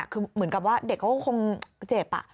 คือเหมือนกับว่าเด็กเขาก็คงเจ็บ